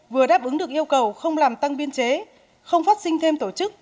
vừa đáp ứng được yêu cầu không làm tăng biên chế không phát sinh thêm tổ chức